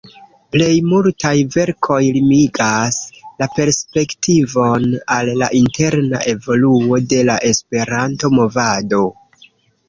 Plej multaj verkoj limigas la perspektivon al la interna evoluo de la Esperanto-movado.